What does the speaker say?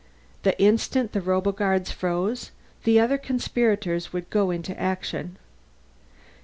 The instant the roboguards froze, the other conspirators would go into action.